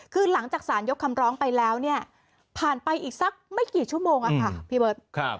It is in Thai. คือหลังจากสารยกคำร้องไปแล้วเนี่ยผ่านไปอีกสักไม่กี่ชั่วโมงค่ะพี่เบิร์ต